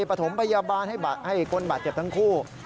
ประถมพยาบาลให้คนบาดเจ็บทั้งคู่